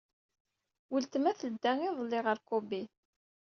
Weltma tedda iḍelli ɣer Kobe.